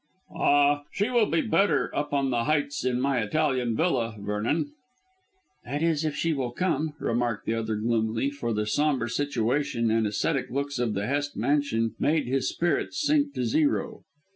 "Ah, she will be better up on the heights in my Italian villa, Vernon." "That is if she will come," remarked the other gloomily, for the sombre situation and ascetic looks of the Hest mansion made his spirits sink to zero.